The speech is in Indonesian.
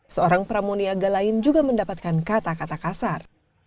seorang pramuniaga lain juga mendapatkan kata kata kasar